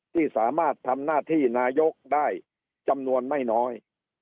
ที่สามารถทำหน้าที่นายกได้จำนวนไม่น้อย